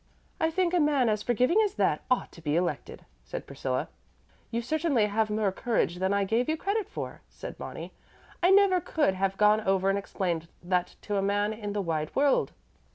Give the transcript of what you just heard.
"I think a man as forgiving as that ought to be elected," said Priscilla. "You certainly have more courage than I gave you credit for," said Bonnie. "I never could have gone over and explained to that man in the wide world."